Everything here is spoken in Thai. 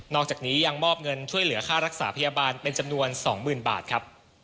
อกจากนี้ยังมอบเงินช่วยเหลือค่ารักษาพยาบาลเป็นจำนวน๒๐๐๐บาทครับ